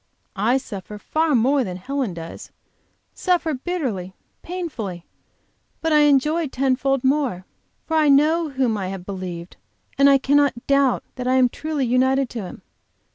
I suffer far more than Helen does, suffer bitterly, painfully, but I enjoy ten fold more. For I know whom I have believed, and I cannot doubt that I am truly united to Him.